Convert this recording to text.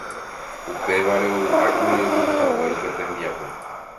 Upévare ovy'ákuri ojuhuhaguére upe tembiapo.